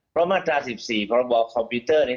เพราะมาตรา๑๔พรบคอมพิวเตอร์นี้